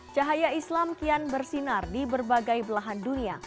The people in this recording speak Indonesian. cahaya islam kian bersinar di berbagai belahan dunia